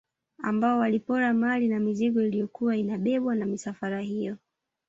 Ambao walipora mali na mizigo iliyokuwa inabebwa na misafara hiyo